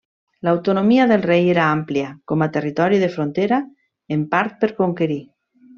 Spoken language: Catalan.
L'autonomia del rei era amplia com a territori de frontera en part per conquerir.